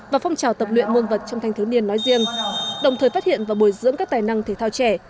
và phong trào tập luyện nguồn vật trong thành thứ niên nói riêng đồng thời phát hiện và bồi dưỡng các tài năng thể thao trẻ